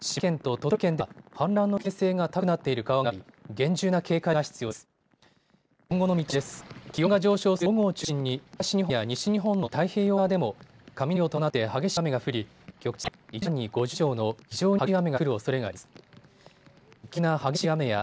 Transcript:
気温が上昇する午後を中心に東日本や西日本の太平洋側でも雷を伴って激しい雨が降り、局地的に１時間に５０ミリ以上の非常に激しい雨が降るおそれがあります。